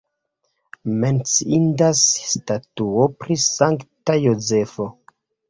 Menciindas statuo pri Sankta Jozefo.